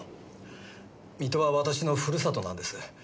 水戸は私のふるさとなんです。